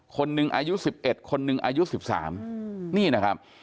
คนหนึ่งอายุ๑๑คนหนึ่งอายุ๑๓นี่นะครับ